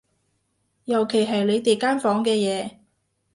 尤其係你哋間房嘅嘢